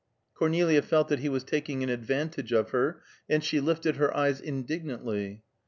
Cornelia felt that he was taking an advantage of her, and she lifted her eyes indignantly.